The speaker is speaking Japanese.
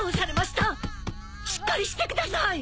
しっかりしてください！